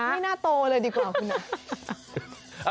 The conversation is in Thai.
ไม่น่าโตเลยดีกว่าคุณนะ